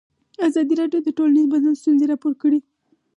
ازادي راډیو د ټولنیز بدلون ستونزې راپور کړي.